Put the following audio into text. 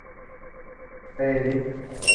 เพลย์ลิสต์